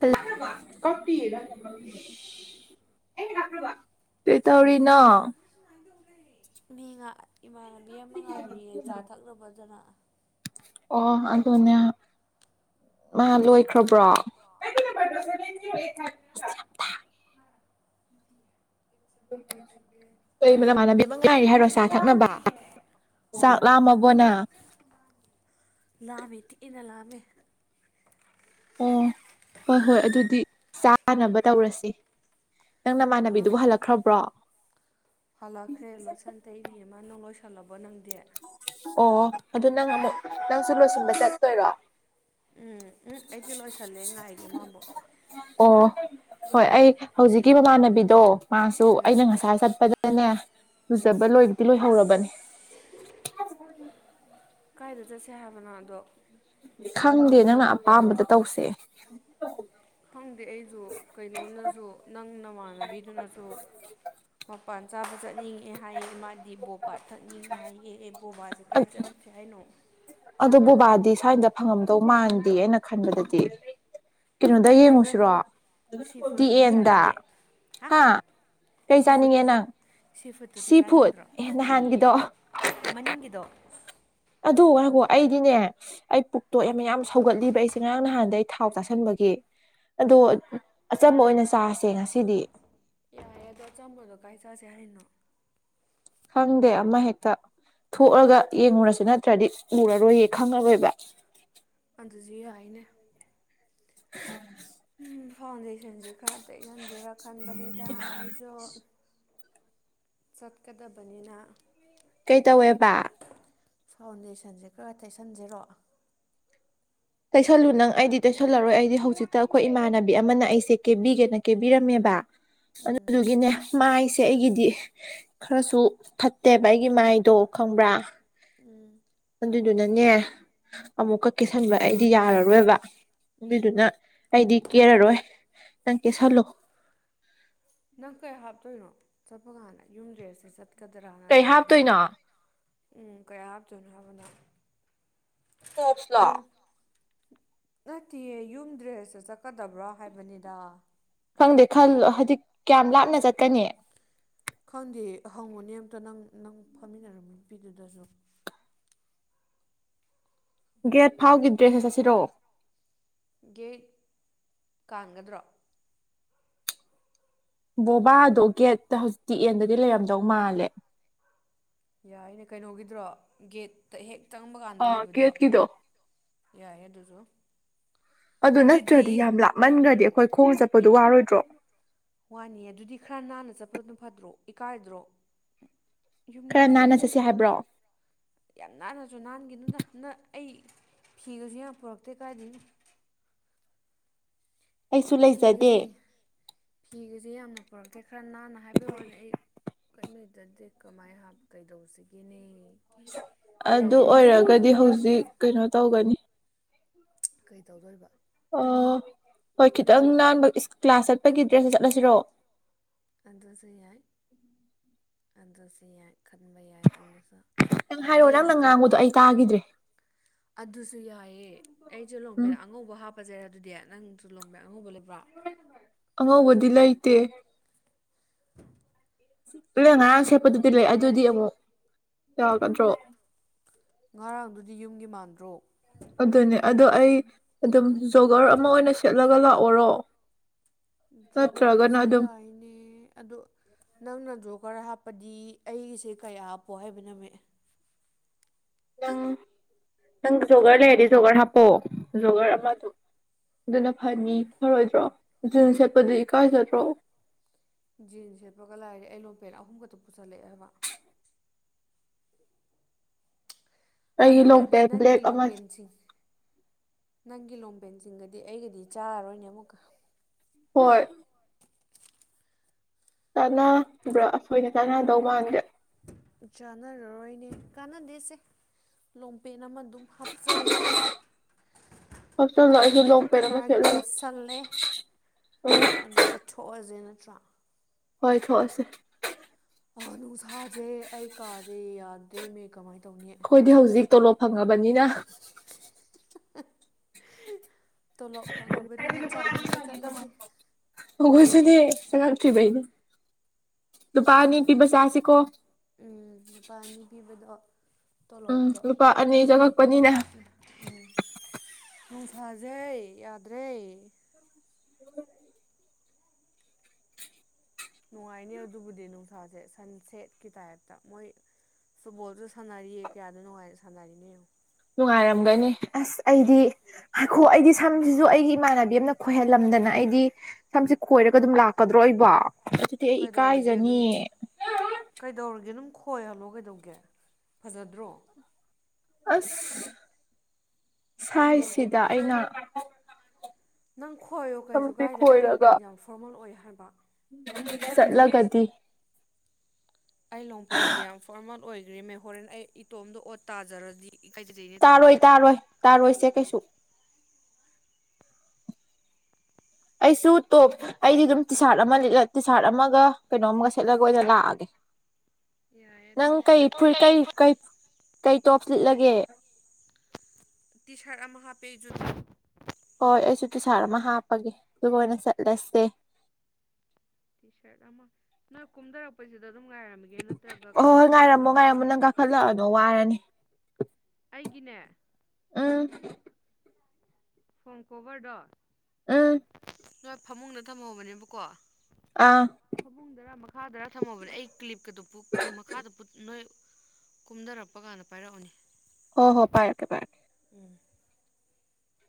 [unintelligible] ꯀꯞꯄꯤ ꯀꯩꯇꯧꯔꯤꯅꯣ ꯃꯤ ꯉꯥ ꯏꯃꯥꯟꯅꯕꯤ ꯑꯃ ꯉꯥꯏꯔꯤꯌꯦ ꯆꯥ ꯊꯛꯅꯕꯗꯅ ꯑꯣ ꯑꯗꯨꯅꯦ ꯃꯥ ꯂꯣꯏꯈ꯭ꯔꯕ꯭ꯔꯣ ꯅꯪꯒꯤ ꯅꯝꯕꯔꯗꯣ [unintelligible] ꯀꯩꯕ ꯅꯃꯥꯟꯅꯕꯤ ꯑꯃ ꯉꯥꯏꯔꯤ ꯍꯥꯏꯔꯣ ꯆꯥ ꯊꯛꯅꯕ ꯍꯣꯏ ꯆꯥꯛꯂꯝꯃꯕꯣ ꯅꯪ ꯂꯥꯝꯃꯦ ꯊꯤꯅ ꯂꯥꯝꯃꯦ ꯑꯣ ꯍꯣꯏ ꯍꯣꯏ ꯑꯗꯨꯗꯤ ꯆꯥꯅꯕ ꯇꯧꯔꯁꯤ ꯅꯪ ꯅꯃꯥꯟꯅꯕꯤꯗꯨꯕꯨ ꯅꯪ ꯍꯜꯂꯛꯈ꯭ꯔꯕ꯭ꯔꯣ ꯍꯜꯂꯛꯈ꯭ꯔꯦ ꯂꯣꯠꯁꯟ ꯇꯩꯔꯤ ꯑꯃ ꯅꯪ ꯂꯣꯏꯁꯜꯂꯕꯣ ꯅꯪꯗꯤ ꯑꯣ ꯑꯗꯨ ꯅꯪ ꯑꯃꯨꯛ ꯅꯪꯁꯨ ꯂꯣꯏꯁꯤꯟꯕ ꯆꯠꯇꯣꯏꯔꯣ ꯎꯝ ꯎꯝ ꯑꯩꯗꯤ ꯂꯣꯏꯁꯜꯂꯦ ꯉꯥꯏꯔꯤ ꯃꯥꯕꯨ ꯑꯣ ꯍꯣꯏ ꯑꯩ ꯍꯧꯖꯤꯛꯀꯤ ꯃꯃꯥꯟꯅꯕꯤꯗꯣ ꯃꯥꯁꯨ ꯑꯩꯅ ꯉꯁꯥꯏ ꯆꯠꯄꯗꯅꯦ ꯎꯝ ꯂꯨꯖꯕ ꯂꯣꯏꯗꯤ ꯂꯣꯏꯍꯧꯔꯕꯅꯦ ꯀꯥꯏꯗ ꯆꯠꯁꯦ ꯍꯥꯏꯕꯅꯣ ꯑꯗꯣ ꯈꯪꯗꯦ ꯅꯪꯅ ꯑꯄꯥꯝꯕꯗ ꯇꯧꯁꯦ ꯈꯪꯗꯦ ꯑꯩꯁꯨ ꯀꯩꯅꯣꯅꯁꯨ ꯅꯪ ꯅꯃꯥꯟꯅꯕꯤꯗꯨꯅꯁꯨ ꯃꯄꯥꯟ ꯆꯥꯕ ꯆꯠꯅꯤꯡꯉꯦ ꯍꯥꯏꯌꯦ ꯃꯥꯗꯤ ꯕꯣꯞ ꯕꯥꯥ ꯊꯛꯅꯤꯡꯉꯦ ꯍꯥꯏꯌꯦ ꯑꯦ ꯕꯣꯕꯥꯁꯦ ꯀꯥꯏ ꯆꯠꯁꯦ ꯍꯥꯏꯅꯣ ꯑꯗꯨ ꯕꯣꯕꯥꯗꯤ ꯁ꯭ꯋꯥꯏꯗ ꯐꯪꯉꯝꯗꯧ ꯃꯥꯟꯗꯦ ꯑꯩꯅ ꯈꯟꯕꯗꯗꯤ ꯀꯩꯅꯣꯗ ꯅꯠꯇ꯭ꯔꯒ ꯌꯦꯡꯉꯨꯁꯤꯔꯣ ꯁꯤ ꯇꯤ ꯐꯨꯗꯇꯨꯁꯨ ꯑꯦꯟꯗ ꯆꯥꯅꯤꯡꯉꯦ ꯍꯥ ꯀꯩ ꯁꯤ ꯆꯥꯅꯤꯡꯉꯦ ꯐꯨꯗꯇꯨꯁꯨ ꯅꯪ ꯁꯤ ꯐꯨꯠ ꯑꯦ ꯅꯍꯥꯟꯒꯤꯗꯣ ꯃꯅꯤꯡꯒꯤꯗꯣ ꯑꯗꯨ ꯉꯥꯏꯈꯣ ꯑꯩꯗꯤꯅꯦ ꯑꯩ ꯄꯨꯛꯇꯣꯏ ꯑꯃ ꯌꯥꯝ ꯁꯧꯒꯠꯂꯤꯕ ꯑꯩꯁꯦ ꯉꯔꯥꯡ ꯅꯍꯥꯟꯗ ꯑꯩ ꯊꯥꯎ ꯆꯥꯁꯤꯟꯕꯒꯤ ꯑꯗꯣ ꯑꯆꯝꯕ ꯑꯣꯏꯅ ꯆꯥꯁꯦ ꯉꯁꯤꯗꯤ ꯍꯥꯏ ꯑꯗꯣ ꯑꯆꯝꯕꯗꯣ ꯀꯥꯏ ꯆꯥꯁꯦ ꯍꯥꯏꯔꯤꯅꯣ ꯈꯪꯗꯦ ꯑꯃ ꯍꯦꯛꯇ ꯊꯣꯛꯑꯒ ꯌꯦꯡꯉꯨꯔꯁꯤ ꯅꯠꯇ꯭ꯔꯗꯤ ꯎꯔꯔꯣꯏꯌꯦ ꯈꯪꯉꯔꯣꯏꯕ ꯑꯗꯨꯁꯨ ꯌꯥꯏꯅꯦ ꯎꯝ ꯎꯝ ꯐꯥꯎꯟꯗꯦꯁꯟꯁꯦ ꯈꯔ ꯇꯩꯁꯤꯟꯁꯦꯔ ꯈꯟꯕꯅꯤꯗ ꯑꯩꯁꯨ ꯆꯠꯀꯗꯕꯅꯤꯅ ꯀꯩꯇꯧꯋꯦꯕ ꯐꯥꯎꯟꯗꯦꯁꯟꯁꯦ ꯈꯔ ꯇꯩꯁꯟꯖꯔꯣ ꯇꯩꯁꯜꯂꯨ ꯅꯪ ꯑꯩꯗꯤ ꯇꯩꯁꯜꯂꯔꯣꯏ ꯑꯩꯗꯤ ꯍꯧꯖꯤꯛꯇ ꯑꯩꯈꯣꯏ ꯏꯃꯥꯟꯅꯕꯤ ꯑꯃꯅ ꯑꯩꯁꯦ ꯀꯦꯕꯤꯒꯦꯅ ꯀꯦꯕꯤꯔꯝꯃꯦꯕ ꯎꯝ ꯑꯗꯨꯗꯨꯒꯤꯅꯦ ꯃꯥꯏꯁꯦ ꯑꯩꯒꯤꯗꯤ ꯈꯔꯁꯨ ꯐꯠꯇꯦꯕ ꯑꯩꯒꯤ ꯃꯥꯏꯗꯣ ꯈꯪꯕ꯭ꯔꯥ ꯎꯝ ꯑꯗꯨꯗꯨꯅꯅꯦ ꯑꯃꯨꯛ ꯀꯥ ꯀꯦ ꯁꯤꯟꯕ ꯑꯩꯗꯤ ꯌꯥꯔꯔꯣꯏꯕ ꯑꯗꯨꯗꯨꯅ ꯑꯩꯗꯤ ꯀꯦꯔꯔꯣꯏ ꯅꯪ ꯀꯦꯁꯜꯂꯣ ꯅꯪ ꯀꯩ ꯍꯥꯞꯇꯣꯏꯅꯣ ꯆꯠꯄ ꯀꯥꯟꯗ ꯌꯨꯝ ꯗ꯭ꯔꯦꯁꯦ ꯆꯠꯀꯗ꯭ꯔꯥ ꯀꯩ ꯅꯠꯇ꯭ꯔꯒ ꯍꯥꯞꯇꯣꯏꯅꯣ ꯎꯝ ꯀꯌꯥ ꯍꯥꯞꯇꯣꯏꯅꯣ ꯍꯥꯏꯕꯅꯣ ꯇꯣꯞꯁꯂꯣ ꯌꯨꯝ ꯅꯠꯇꯤꯌꯦ ꯌꯨꯝ ꯗ꯭ꯔꯦꯁꯇ ꯆꯠꯀꯗꯕ꯭ꯔꯥ ꯍꯥꯏꯕꯅꯤꯗ ꯈꯪꯗꯦ ꯈꯜꯂꯣ ꯍꯥꯏꯗꯤ ꯀꯌꯥꯝ ꯂꯥꯞꯅ ꯆꯠꯀꯅꯤ ꯈꯪꯗꯦ ꯍꯪꯉꯨꯅꯦ ꯑꯝꯇ ꯅꯪ ꯅꯪ ꯐꯝꯃꯤꯟꯅꯔꯝꯕ ꯅꯨꯄꯤꯗꯨꯗꯁꯨ ꯒꯦꯠ ꯐꯥꯎꯒꯤꯗ꯭ꯔꯦꯁꯗ ꯆꯠꯁꯤꯔꯣ ꯒꯦꯠ ꯀꯥꯟꯒꯗ꯭ꯔꯣ ꯕꯣꯕꯥꯗꯣ ꯒꯦꯠꯇ ꯍꯧꯖꯤꯛꯇꯤ ꯑꯦꯟꯗꯗꯤ ꯂꯩꯔꯝꯗꯧ ꯃꯥꯜꯂꯦ ꯌꯥꯏꯅꯦ ꯀꯩꯅꯣꯒꯤꯗꯨꯔꯣ ꯒꯦꯠꯇ ꯍꯦꯛ ꯆꯪꯕ ꯀꯥꯟꯗ ꯑꯥ ꯂꯩꯕꯗꯣ ꯒꯦꯠꯀꯤꯗꯣ ꯌꯥꯏꯌꯦ ꯑꯗꯨꯁꯨ ꯑꯗꯨ ꯑꯗꯨꯗꯤ ꯅꯠꯇ꯭ꯔꯗꯤ ꯌꯥꯝ ꯂꯥꯞꯃꯟꯒ꯭ꯔꯗꯤ ꯑꯩꯈꯣꯏ ꯈꯣꯡꯅ ꯆꯠꯄꯗꯣ ꯋꯥꯔꯣꯏꯗ꯭ꯔꯣ ꯋꯥꯅꯤꯌꯦ ꯑꯗꯨꯗꯤ ꯈꯔ ꯅꯥꯟꯅ ꯆꯠꯄꯗꯨ ꯐꯠꯇ꯭ꯔꯣ ꯏꯀꯥꯏꯗ꯭ꯔꯣ ꯈꯔ ꯅꯥꯟꯅ ꯌꯨꯝꯒꯤꯗ꯭ꯔꯦꯁ ꯆꯠꯁꯦ ꯍꯥꯏꯕ꯭ꯔꯣ ꯌꯥꯝ ꯅꯥꯟꯅꯁꯨ ꯅꯥꯟꯒꯤꯅꯨꯗ ꯅꯪ ꯑꯩ ꯐꯤꯒꯁꯨ ꯌꯥꯝ ꯄꯨꯔꯛꯇꯦ ꯀꯗꯥꯥꯏꯗꯩꯅꯣ ꯑꯩꯁꯨ ꯂꯩꯖꯗꯦ ꯐꯤꯒꯖꯦ ꯐꯤꯒꯖꯦ ꯌꯥꯝꯅ ꯄꯨꯔꯛꯇ꯭ꯔꯦ ꯈꯔ ꯅꯥꯟꯅ ꯍꯥꯏꯕꯩ ꯋꯥꯅꯦ ꯑꯩ ꯀ꯭ꯌꯦꯝꯂꯩꯇꯔꯥꯗꯤ ꯀꯃꯥꯏ ꯍꯥꯞ ꯀꯩꯗꯧꯁꯤꯒꯦꯅꯦ ꯑꯗꯨ ꯑꯣꯏꯔꯒꯗꯤ ꯇꯧꯔꯤꯁꯤꯕꯣ ꯍꯧꯖꯤꯛ ꯀꯩꯅꯣ ꯇꯧꯒꯅꯤ ꯀꯩ ꯇꯧꯗꯣꯏꯕ ꯑꯣ ꯍꯣꯏ ꯈꯤꯇꯪ ꯅꯥꯟꯕ ꯏꯁ ꯀ꯭ꯂꯥꯁ ꯆꯠꯄꯒꯤ ꯗ꯭ꯔꯦꯁꯇ ꯆꯠꯂꯁꯤꯔꯣ ꯑꯗꯨꯁꯨ ꯌꯥꯏ ꯑꯗꯨꯁꯨ ꯌꯥꯏ ꯈꯟꯕ ꯌꯥꯏ ꯑꯗꯨꯁꯨ ꯅꯪ ꯑꯩ ꯍꯥꯏꯔꯛꯑꯣ ꯅꯪꯅ ꯂꯣꯡꯄꯦꯟ ꯑ ꯉꯥꯡꯕꯗꯣ ꯑꯩ ꯇꯥꯈꯤꯗ꯭ꯔꯦ ꯑꯗꯨꯁꯨ ꯌꯥꯌꯦ ꯑꯩꯖꯨ ꯂꯣꯡꯄꯦꯟ ꯎꯝ ꯑꯉꯧꯕ ꯍꯥꯞꯄꯁꯦ ꯑꯗꯨꯗꯤ ꯅꯪꯁꯨ ꯂꯣꯡꯄꯦꯟ ꯑꯉꯧꯕ ꯂꯩꯕ꯭ꯔꯣ ꯑꯉꯧꯕꯗꯤ ꯂꯩꯇꯦ ꯑꯩꯅ ꯉꯔꯥꯡ ꯁꯦꯠꯄꯗꯨꯗꯤ ꯂꯩ ꯑꯗꯨꯗꯤ ꯑꯃꯨꯛ ꯌꯥꯒꯗ꯭ꯔꯣ ꯉꯔꯥꯡꯗꯨꯗꯤ ꯌꯨꯝꯒꯤ ꯃꯥꯟꯗ꯭ꯔꯣ ꯑꯗꯨꯅꯦ ꯑꯗꯣ ꯑꯩ ꯑꯗꯨꯝ ꯖꯣꯒꯔ ꯑꯃ ꯑꯣꯏꯅ ꯁꯦꯠꯂꯒ ꯂꯥꯛꯑꯣꯔꯣ ꯅꯠꯇ꯭ꯔꯒꯅ ꯖꯣꯒꯔꯗꯨꯁꯨ ꯑꯗꯨꯝ ꯌꯥꯏꯅꯦ ꯑꯗꯣ ꯅꯪꯅ ꯖꯣꯒꯔ ꯍꯥꯞꯄꯗꯤ ꯑꯩꯒꯤꯁꯦ ꯀꯌꯥ ꯍꯥꯞꯄꯣ ꯍꯥꯏꯕ ꯅꯣꯃꯦ ꯅꯪ ꯅꯪ ꯖꯣꯒꯔ ꯂꯩꯔꯗꯤ ꯖꯣꯒꯔ ꯍꯥꯞꯄꯣ ꯖꯣꯒꯔ ꯑꯃꯗꯨꯁꯨ ꯑꯗꯨꯅ ꯐꯅꯤ ꯐꯔꯣꯏꯗ꯭ꯔꯣ ꯖꯤꯟ ꯁꯦꯠꯄꯗꯨ ꯏꯀꯥꯏꯖꯗ꯭ꯔꯣ ꯖꯤꯟꯁ ꯁꯦꯠꯄꯒ ꯂꯥꯏꯔꯤ ꯑꯩ ꯂꯣꯟ ꯄꯦꯟ ꯑꯍꯨꯝꯒꯇꯨ ꯄꯨꯁꯜꯂꯛꯑꯦ ꯍꯥꯏꯕ ꯑꯩꯒꯤ ꯑꯗꯨꯒꯗꯤ ꯂꯣꯡꯄꯦꯟ ꯅꯪꯒꯤ ꯕ꯭ꯂꯦꯛ ꯑꯃ ꯂꯣꯡꯄꯦꯟꯁꯤꯡ ꯅꯪꯒꯤ ꯂꯣꯡꯄꯦꯟꯁꯤꯡꯒꯗꯤ ꯑꯩꯒꯗꯤ ꯆꯥꯔꯔꯣꯏꯅꯦ ꯑꯃꯨꯛꯀ ꯍꯣꯏ ꯆꯥꯟꯅꯕ꯭ꯔꯥ ꯑ ꯑꯈꯣꯏꯅꯤ ꯆꯥꯟꯅꯗꯧ ꯃꯥꯟꯗꯦ ꯆꯥꯟꯅꯔꯔꯣꯏꯅꯦ ꯀꯥꯟꯅꯗꯦꯁꯦ ꯂꯣꯡꯄꯦꯟ ꯑꯃ ꯗꯨꯝ ꯍꯥꯞꯆꯤꯜꯂꯦ ꯑꯩ ꯍꯣꯞꯆꯜꯂꯣ ꯑꯩꯁꯨ ꯑꯗꯨꯒ ꯂꯣꯡ ꯄꯦꯟ ꯑꯃ ꯈꯔ ꯁꯦꯠꯂꯨꯒꯦ ꯀꯦꯁꯜꯂꯦ ꯑꯗꯨꯒ ꯊꯣꯛꯑꯁꯦ ꯅꯠꯇ꯭ꯔꯣ ꯍꯣꯏ ꯊꯣꯛꯑꯁꯦ ꯑ ꯅꯨꯡꯁꯥꯖꯦ ꯑꯩ ꯀꯥꯁꯦ ꯌꯥꯗ꯭ꯔꯦꯅꯦ ꯀꯃꯥꯏꯅ ꯇꯧꯅꯤ ꯑꯩꯈꯣꯏꯗꯤ ꯍꯧꯖꯤꯛ ꯇꯣꯂꯣꯞ ꯐꯪꯉꯕꯅꯤꯅ ꯇꯣꯂꯣꯞ ꯐꯪꯉꯕꯅꯤꯅ ꯆꯥ ꯊꯛꯄ ꯆꯠꯂꯁꯤ ꯍꯧꯈꯣꯏꯁꯨꯅꯦ ꯆꯥꯉꯛꯇ꯭ꯔꯤ ꯕꯩꯅꯦ ꯂꯨꯄꯥ ꯑꯅꯤ ꯄꯤꯕ ꯆꯥꯁꯤꯀꯣ ꯎꯝ ꯅꯨꯄꯥ ꯑꯅꯤ ꯄꯤꯕꯗꯣ ꯎꯝ ꯇꯣꯂꯣꯞꯇꯣ ꯂꯨꯄꯥ ꯆꯥ ꯑꯅꯤ ꯊꯛꯄ ꯆꯪꯉꯛꯄꯅꯤꯅ ꯆꯠꯂꯁꯦ ꯎꯝ ꯅꯨꯡꯁꯥ ꯁꯦ ꯌꯥꯗ꯭ꯔꯦ ꯅꯨꯡꯉꯥꯏꯅꯦ ꯑꯗꯨꯕꯨꯗꯤ ꯅꯨꯡꯁꯥꯁꯦ ꯁꯟ ꯁꯦꯠꯀꯤ ꯇꯥꯏꯞꯇ ꯃꯣꯏ ꯐꯨꯠꯕꯣꯜꯁꯨ ꯁꯥꯟꯅꯔꯤꯌꯦ ꯀꯌꯥꯗ ꯅꯨꯡꯉꯥꯏꯅ ꯁꯥꯟꯅꯔꯤꯅꯦ ꯌꯦꯡꯉꯣ ꯅꯨꯡꯉꯥꯏꯔꯝꯒꯅꯤ ꯑꯁ ꯎꯝ ꯑꯩꯗꯤ ꯍꯥꯏꯈꯣ ꯑꯩꯗꯤ ꯁꯝꯁꯤꯁꯨ ꯑꯩꯒꯤ ꯏꯃꯥꯟꯅꯕꯤ ꯑꯃꯅ ꯈꯣꯏꯍꯜꯂꯝꯗꯅ ꯑꯩꯗꯤ ꯁꯝꯁꯦ ꯈꯣꯏꯔꯒ ꯑꯗꯨꯝ ꯂꯥꯛꯀꯗ꯭ꯔꯣ ꯑꯩꯕꯣ ꯑꯗꯨꯗꯤ ꯀꯩꯗꯧꯔꯒꯦ ꯑꯗꯨꯝ ꯏꯀꯥꯏꯖꯅꯤꯌꯦ ꯀꯩꯗꯧꯔꯒꯦ ꯑꯗꯨꯝ ꯈꯣꯏꯍꯜꯂꯣ ꯀꯩꯗꯧꯒꯦ ꯐꯖꯗ꯭ꯔꯣ ꯑꯁ ꯁꯥꯏꯁꯤꯗ ꯑꯩꯅ ꯅꯪ ꯈꯣꯏꯌꯣ ꯁꯝꯁꯦ ꯀꯩꯁꯨꯀꯥꯏꯗꯦ ꯑꯩ ꯈꯣꯏꯔꯒ ꯔꯣꯡꯄꯦꯟ ꯌꯥꯝ ꯐꯣꯔꯃꯦꯜ ꯑꯣꯏ ꯍꯥꯏꯕ ꯆꯠꯂꯒꯗꯤ ꯑꯩ ꯂꯣꯡꯄꯦꯟꯁꯦ ꯌꯥꯝ ꯐꯣꯔꯃꯜ ꯑꯣꯏꯈ꯭ꯔꯦ ꯃꯦ ꯍꯣꯔꯦꯟ ꯑꯩ ꯏꯇꯣꯝꯗ ꯑꯣꯠ ꯇꯥꯖꯔꯗꯤ ꯏꯀꯥꯏꯖꯩꯍꯦ ꯇꯥꯔꯣꯏ ꯇꯥꯔꯣꯏ ꯇꯥꯔꯣꯏꯁꯦ ꯀꯩꯁꯨ ꯑꯩꯁꯨ ꯇꯣꯞ ꯑꯩꯗꯤ ꯑꯗꯨꯝ ꯇꯤ ꯁꯥꯥꯔꯠ ꯑꯃ ꯂꯤꯠꯂ ꯇꯤ ꯁꯥꯥꯔꯠ ꯑꯃꯒ ꯀꯩꯅꯣ ꯑꯃꯒ ꯁꯦꯠꯂꯒ ꯑꯣꯏꯅ ꯂꯥꯛꯑꯒꯦ ꯌꯥꯢ ꯅꯪ ꯑꯗꯨꯁꯨ ꯀꯩ ꯅꯪ ꯐꯨꯔꯤꯠ ꯀꯩꯒꯤ ꯀꯩ ꯐꯨꯠ ꯀꯩ ꯀꯩ ꯇꯣꯞꯁ ꯂꯤꯠꯂꯒꯦ ꯇꯤꯁꯥꯔꯠ ꯑꯃ ꯍꯥꯞꯄꯦ ꯑꯩꯖꯨ ꯍꯣꯏ ꯑꯩꯁꯨ ꯇꯤꯁꯥꯔꯠ ꯑꯃ ꯍꯥꯞꯄꯒꯦ ꯑꯗꯨꯒ ꯑꯣꯏꯅ ꯆꯠꯂꯁꯦ ꯇꯤ ꯁꯥꯔꯠ ꯑꯃ ꯅꯣꯏ ꯀꯨꯝꯗꯔꯛꯄꯁꯤꯗ ꯑꯗꯨꯝ ꯉꯥꯏꯔꯝꯃꯒꯦ ꯅꯠꯇ꯭ꯔꯒ ꯀꯥꯈꯠꯂꯛ ꯑꯣ ꯍꯥꯏꯕ꯭ꯔꯥ ꯑꯃꯨꯛꯀ ꯍꯜꯂꯛꯑꯅꯣ ꯋꯥꯔꯅꯤ ꯑꯩꯒꯤꯅꯦ ꯎꯝ ꯐꯣꯟ ꯀꯣꯚꯔ ꯗꯣ ꯎꯝ ꯅꯣꯏ ꯐꯃꯨꯡꯗ ꯊꯝꯍꯧꯕꯅꯦꯕꯀꯣ ꯑꯥ ꯐꯃꯨꯡꯗꯔꯥ ꯃꯈꯥꯗꯔ ꯊꯝꯃꯕꯅꯦ ꯑꯩ ꯀ꯭ꯂꯤꯞꯀ ꯗꯨ ꯕꯨꯛ ꯃꯈꯥꯗ ꯄꯨꯠ ꯅꯣꯏ ꯀꯨꯝꯗꯔꯛꯄ ꯀꯥꯟꯗ ꯄꯥꯏꯔꯛꯎꯣꯅꯦ ꯍꯣ ꯍꯣ ꯄꯥꯏꯔꯛꯀꯦ ꯄꯥꯏꯔꯛꯀꯦ ꯎꯝ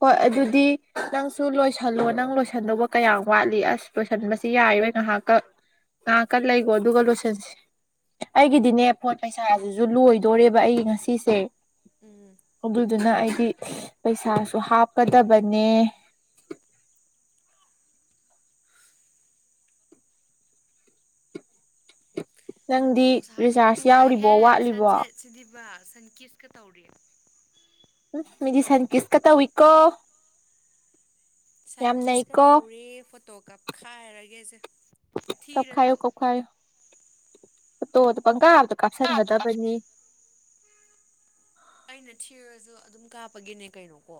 ꯍꯣꯏ ꯑꯗꯨꯗꯤ ꯅꯪꯁꯨ ꯂꯣꯏꯁꯜꯂꯣ ꯅꯪ ꯂꯣꯏꯁꯟꯗꯧꯕ ꯀꯌꯥꯝ ꯋꯥꯠꯂꯤ ꯑꯁ ꯂꯣꯏꯁꯟꯕꯁꯤ ꯌꯥꯏꯔꯣꯏ ꯉꯥꯏꯍꯥꯛ ꯀꯛ ꯉꯍꯥꯛꯀ ꯂꯩꯒꯣ ꯑꯗꯨꯒ ꯂꯣꯏꯁꯤꯟꯁꯤ ꯑꯩꯒꯤꯗꯤꯅꯦ ꯄꯣꯠ ꯄꯩꯁꯥꯁꯤꯁꯨ ꯂꯣꯏꯗꯣꯔꯦꯕ ꯑꯩ ꯉꯁꯤꯁꯦ ꯎꯝ ꯑꯗꯨꯗꯨꯅ ꯑꯩꯗꯤ ꯄꯩꯁꯥꯁꯨ ꯍꯥꯞꯀꯗꯕꯅꯦ ꯅꯪꯗꯤ ꯅꯨꯡꯁꯥꯁꯤꯗꯤ ꯔꯤꯆꯥꯔꯖ ꯌꯥꯎꯔꯤꯕꯣ ꯅꯨꯡꯉꯥꯏꯍꯦ ꯁꯟ ꯋꯥꯠꯂꯤꯕꯣ ꯁꯦꯠꯁꯤꯗꯤꯕ ꯁꯟ ꯀꯤꯁꯀ ꯇꯧꯔꯤꯌꯦ ꯎꯝ ꯃꯤꯗꯤ ꯁꯟ ꯀꯤꯁ ꯀ ꯇꯧꯏꯀꯣ ꯁꯟ ꯌꯥꯝ ꯀꯤꯁꯀ ꯅꯩꯀꯣ ꯇꯧꯔꯦ ꯐꯣꯇꯣ ꯀꯞꯈꯥꯏꯔꯒꯦꯁꯦ ꯊꯤꯔꯁꯨ ꯐꯣꯇꯣꯗ ꯄꯪꯒꯥꯥꯗ ꯀꯥꯞꯁꯟꯒꯗꯕꯅꯤ ꯑꯩꯅ ꯊꯤꯔꯁꯨ ꯑꯗꯨꯝ ꯀꯥꯞꯄꯒꯦꯅꯦ ꯀꯩꯅꯣꯀꯣ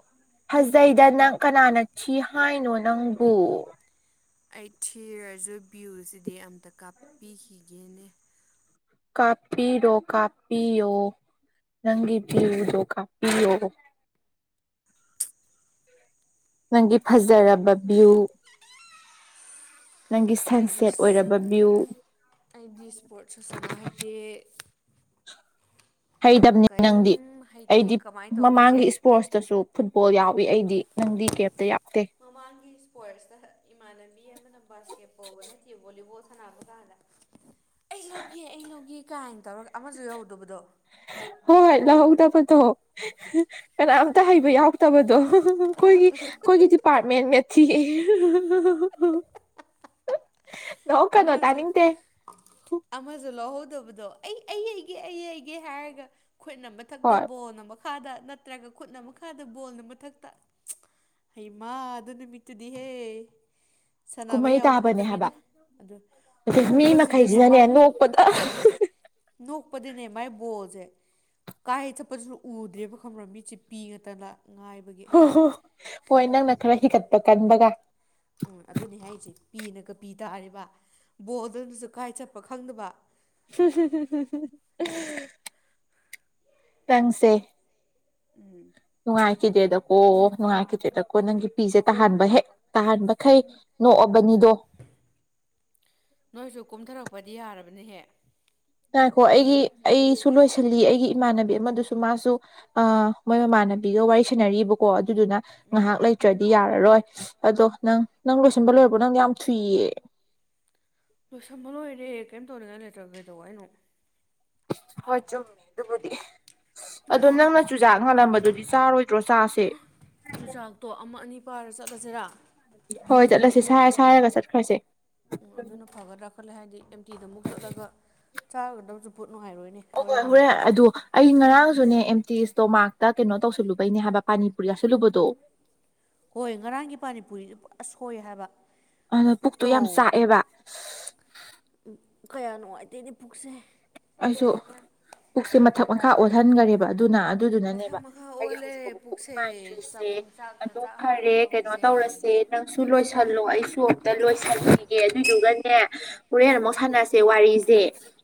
ꯐꯖꯩꯗ ꯅꯪ ꯅꯠꯇ꯭ꯔꯣ ꯀꯅꯥꯅ ꯊꯤ ꯍꯥꯏꯅꯣ ꯅꯪꯕꯨ ꯑꯩ ꯊꯤꯔꯁꯨ ꯚ꯭ꯌꯨꯁꯤꯗꯤ ꯑꯝꯇ ꯀꯥꯞꯄꯤꯈꯤꯒꯦꯅꯦ ꯀꯥꯞꯄꯤꯌꯣ ꯀꯥꯞꯄꯤꯌꯣ ꯅꯪꯒꯤ ꯚ꯭ꯌꯨꯗꯣ ꯀꯥꯞꯄꯤꯌꯣ ꯅꯪꯒꯤ ꯐꯖꯔꯕ ꯚ꯭ꯌꯨ꯫ ꯅꯪꯒꯤ ꯁꯟ ꯑꯩꯗꯤ ꯁꯦꯠ ꯑꯣꯏꯔꯕ ꯚ꯭ꯌꯨ꯫ ꯑꯩꯗꯤ ꯁ꯭ꯄꯣꯔꯠꯁꯨꯁꯅꯥ ꯍꯩꯇꯦ꯫ ꯍꯩꯇꯕꯅꯦ ꯀꯔꯤꯝ ꯅꯪꯗꯤ ꯍꯩꯇꯦ ꯑꯩꯗꯤ ꯀꯃꯥꯏꯅ ꯇꯧꯅꯤꯁꯦ ꯃꯃꯥꯡꯒꯤ ꯏꯁ ꯄꯣꯔꯠꯁꯇꯁꯨ ꯐꯨꯠꯕꯣꯜ ꯌꯥꯎꯏ ꯑꯩꯗꯤ ꯅꯪꯗꯤ ꯀꯦꯝꯇ ꯌꯥꯎꯗꯦ꯫ ꯃꯃꯥꯡꯒꯤ ꯁ꯭ꯄꯣꯔꯠꯁꯇ ꯏꯃꯥꯟꯅꯕꯤ ꯑꯃꯅ ꯕꯥꯁꯀꯦꯠꯕꯣꯜꯒ ꯅꯠꯇꯤꯌꯦ ꯕꯣꯂꯤꯕꯣꯜ ꯁꯟ ꯁꯅꯥꯕ ꯀꯥꯟꯗ ꯑꯩ ꯂꯧꯒꯦ ꯑꯩ ꯂꯧꯒꯦ ꯀꯥꯏꯅ ꯇꯧꯔꯒ ꯑꯃꯁꯨ ꯌꯧꯗꯕꯗꯣ꯫ ꯍꯣꯏ ꯂꯧꯍꯧꯗꯕꯗꯣ ꯀꯅꯥꯝꯇ ꯍꯩꯕ ꯌꯥꯎꯗꯕꯗꯣ꯫ ꯈꯣꯏꯒꯤ ꯈꯣꯏꯒꯤ ꯗꯤꯄꯥꯔꯠꯃꯦꯟ ꯃꯦꯠꯊꯤꯌꯦ ꯑꯃꯖꯨ ꯑꯃꯁꯨ ꯂꯧꯍꯧꯗꯕꯗꯣ ꯑꯩ ꯑꯩ ꯑꯩ ꯌꯩꯒꯦ ꯑꯩ ꯌꯩꯒꯦ ꯍꯥꯏꯔꯒ ꯈꯣꯏꯅꯝꯕ ꯃꯊꯛꯇ ꯍꯣꯏ ꯕꯣꯜꯅ ꯃꯈꯥꯗ ꯅꯠꯇ꯭ꯔꯒ ꯈꯨꯠꯅ ꯃꯈꯥꯗ ꯕꯣꯜꯅ ꯃꯊꯛꯇ ꯍꯩꯃ ꯑꯗꯨ ꯅꯨꯃꯤꯠꯇꯨꯗꯤꯍꯦ ꯁꯟꯅꯕ ꯀꯨꯝꯍꯩ ꯌꯥꯎꯕ ꯇꯥꯕꯅꯦ ꯍꯥꯏꯕ ꯅꯠꯇꯕꯤꯗ꯫ ꯑꯗꯨ ꯑꯗꯩ ꯃꯤ ꯅꯣꯛꯄꯁꯤꯗꯅꯦ ꯃꯈꯩꯁꯤꯅꯅꯦ ꯃꯥꯏ ꯅꯣꯛꯄꯗ ꯅꯣꯛꯄꯗꯅꯦ ꯃꯥꯏ ꯕꯣꯜꯖꯦ ꯀꯥꯏ ꯆꯠꯄꯁꯨꯅꯣ ꯎꯗ꯭ꯔꯦꯕ ꯈꯪꯕ꯭ꯔ ꯃꯤꯠꯁꯦ ꯄꯤ ꯉꯇꯅ ꯉꯥꯏ ꯍꯣꯏ ꯅꯪꯅ ꯈꯔ ꯍꯤꯒꯠꯄ ꯀꯟꯕꯒ꯫ ꯎꯝ ꯑꯗꯨꯅꯤ ꯍꯥꯏꯔꯤꯁꯦ ꯄꯤꯅꯒ ꯄꯤ ꯇꯥꯔꯤꯕ ꯕꯣꯜ ꯑꯗꯨꯅꯁꯨ ꯀꯥꯏ ꯆꯠꯄ ꯈꯪꯗꯕ꯫ ꯅꯪꯁꯦ ꯎꯝ ꯅꯨꯡꯉꯥꯏꯈꯤꯗ꯭ꯔꯦꯗꯀꯣ ꯅꯨꯡꯉꯥꯏꯈꯤꯗ꯭ꯔꯦꯗꯀꯣ ꯅꯪꯒꯤ ꯄꯤꯁꯦ ꯇꯥꯍꯟꯕ ꯍꯦꯛ ꯇꯥꯍꯟꯕꯈꯩ ꯅꯣꯛꯑꯕꯅꯤꯗꯣ ꯅꯣꯏꯖꯨ ꯀꯨꯝꯊꯔꯛꯄꯗꯤ ꯌꯥꯔꯕꯅꯦꯍꯦ꯫ ꯉꯥꯏꯈꯣ ꯑꯩꯒꯤ ꯑꯩꯁꯨ ꯂꯣꯏꯁꯤꯜꯂꯤ ꯑꯩꯒꯤ ꯏꯃꯥꯟꯅꯕꯤ ꯑꯃꯗꯨꯁꯨ ꯃꯥꯁꯨ ꯑ ꯃꯣꯏ ꯃꯃꯥꯟꯅꯕꯤꯒ ꯋꯥꯔꯤ ꯁꯥꯟꯅꯔꯤꯕꯀꯣ ꯑꯗꯨꯗꯨꯅ ꯉꯥꯍꯥꯛ ꯂꯩ ꯇ꯭ꯔꯗꯤ ꯌꯥꯔꯔꯣꯏ ꯑꯗꯣ ꯅꯪ ꯅꯪ ꯂꯣꯏꯁꯤꯟꯕ ꯂꯣꯏꯔꯕ ꯅꯪꯗꯤ ꯌꯥꯝ ꯊꯨꯏꯌꯦ꯫ ꯂꯣꯏꯁꯟꯕ ꯂꯣꯏꯔꯦ ꯀꯩꯝ ꯇꯧꯅꯤꯡꯉꯥꯢ ꯂꯩꯇ꯭ꯔꯒ ꯀꯩꯗꯧ ꯍꯥꯏꯅꯣ꯫ ꯍꯣꯏ ꯆꯨꯝꯃꯤ ꯑꯗꯨꯕꯨꯗꯤ꯫ ꯑꯗꯣ ꯍꯥ ꯅꯪꯅ ꯆꯨꯖꯥꯛ ꯉꯥꯜꯂꯝꯕꯗꯨꯗꯤ ꯆꯥꯔꯣꯏꯗ꯭ꯔꯣ ꯆꯥꯁꯦ ꯆꯨꯖꯥꯛꯇꯣ ꯑꯃ ꯑꯅꯤ ꯄꯥꯔ ꯆꯠꯂꯖꯤꯔꯥ꯫ ꯍꯣꯏ ꯆꯠꯂꯁꯦ ꯁꯥꯏꯔ ꯁꯥꯏꯔꯒ ꯆꯠꯈ꯭ꯔꯁꯦ꯫ ꯑꯗꯨꯅ ꯐꯒꯗ꯭ꯔꯥ ꯈꯜꯂꯦ ꯍꯥꯏꯗꯤ ꯑꯦꯝꯇꯤꯗ ꯑꯃꯨꯛ ꯆꯠꯂꯒ ꯆꯥꯔꯨꯗꯧꯁꯨ ꯄꯨꯠ ꯅꯨꯡꯉꯥꯏꯔꯣꯏꯅꯦ꯫ ꯍꯣꯏ ꯍꯣꯔꯦꯟ ꯍꯣꯔꯦ ꯑꯃꯨꯛꯀ ꯑꯗꯨ ꯑꯩ ꯉꯔꯥꯡꯁꯨꯅꯦ ꯑꯦꯝꯇꯤ ꯏꯁꯇꯣꯃꯥꯛꯇ ꯀꯩꯅꯣ ꯇꯧꯁꯜꯂꯨꯕꯩꯅꯦ ꯍꯥꯏꯕ ꯄꯥꯅꯤꯄꯨꯔꯤ ꯆꯥꯁꯤꯜꯂꯨꯕꯗꯣ ꯍꯣꯏ ꯉꯔꯥꯡꯒꯤ ꯄꯥꯅꯤꯄꯨꯔꯤꯗ ꯄꯨꯔꯥ ꯁꯣꯏ ꯍꯥꯏꯕ꯫ ꯑꯗꯣ ꯄꯨꯛꯇꯨ ꯄꯨꯛꯇꯣ ꯌꯥꯝ ꯆꯥꯛꯑꯦꯕ꯫ ꯀꯌꯥ ꯅꯨꯡꯉꯥꯏꯇꯦꯅꯦ ꯄꯨꯛꯁꯦ꯫ ꯑꯩꯁꯨ ꯄꯨꯛꯁꯦ ꯃꯊꯛ ꯃꯈꯥ ꯑꯣꯜꯍꯟꯒꯔꯦꯕ ꯑꯗꯨꯅ ꯃꯊꯛ ꯑꯗꯨꯗꯨꯅꯅꯦꯕ ꯃꯈꯥ ꯑꯩꯒꯤ ꯑꯣꯜꯂꯦ ꯍꯧꯖꯤꯛ ꯐꯥꯎꯕ ꯄꯨꯛ ꯄꯨꯛꯁꯦ ꯅꯨꯡꯉꯥꯏꯇ꯭ꯔꯤꯁꯦ ꯆꯥꯛꯄꯨꯡ ꯆꯥꯛꯇ ꯑꯗꯨ ꯆꯥꯛꯍꯜꯂꯦ ꯐꯔꯦ ꯀꯩꯅꯣ ꯇꯧꯔꯤꯁꯦ ꯇꯧꯔꯁꯦ ꯅꯪꯁꯨ ꯂꯣꯏꯁꯤꯜꯂꯣ ꯑꯩꯁꯨ ꯑꯝꯇ ꯂꯣꯏꯁꯟꯈꯤꯒꯦ ꯑꯗꯨꯗꯨꯒꯅꯦ ꯍꯨꯔꯦꯟ ꯑꯃꯨꯛ ꯁꯥꯟꯅꯁ ꯁꯦ ꯋꯥꯔꯤꯁꯦ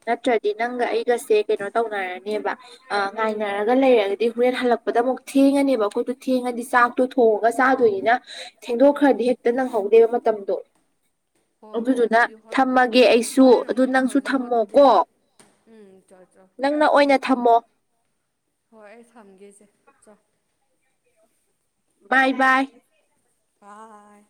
ꯅꯠꯇ꯭ꯔꯗꯤ ꯅꯪꯒ ꯑꯩꯒꯁꯦ ꯀꯩꯅꯣ ꯇꯧꯅꯔꯅꯦꯕ ꯑ ꯉꯥꯏꯅꯔꯒ ꯂꯩꯔꯒꯗꯤ ꯍꯨꯔꯦꯟ ꯍꯜꯂꯛꯄꯗ ꯑꯃꯨꯛ ꯊꯦꯡꯉꯅꯦꯕ ꯑꯈꯣꯏꯗꯣ ꯊꯦꯡꯉꯗꯤ ꯆꯥꯛ ꯇꯨ ꯊꯣꯡꯉꯒ ꯆꯥꯗꯣꯏꯅꯤꯅ ꯎꯝ ꯊꯦꯡꯗꯣꯛꯈ꯭ꯔꯗꯤ ꯍꯦꯛꯇ ꯅꯪꯍꯧꯗꯦꯕ ꯃꯇꯝꯗꯣ꯫ ꯍꯣꯏ ꯍꯣꯏ ꯑꯗꯨꯗꯨꯅ ꯑꯗꯨꯗꯤ ꯍꯣꯏ ꯊꯝꯃꯒꯦ ꯑꯩꯁꯨ ꯍꯣꯔꯦꯟ ꯑꯗꯨ ꯑꯃꯨꯛ ꯅꯪꯁꯨ ꯇꯧꯔꯁꯤꯀꯣ ꯑꯗꯨꯗꯤ ꯊꯝꯃꯣꯀꯣ꯫ ꯎꯝ ꯆꯣ ꯆꯣ ꯅꯪꯅ ꯑꯣꯏꯅ ꯊꯝꯃꯣ ꯍꯣꯏ ꯑꯩ ꯊꯝꯒꯦꯁꯦ ꯆꯑꯣ ꯕꯥꯏ ꯕꯥꯏ ꯕꯥꯏ